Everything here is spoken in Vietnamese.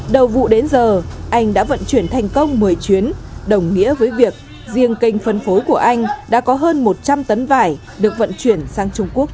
đầu vụ đến giờ anh đã vận chuyển thành công một mươi chuyến đồng nghĩa với việc riêng kênh phân phối của anh đã có hơn một trăm linh tấn vải được vận chuyển sang trung quốc